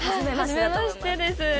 はじめましてです。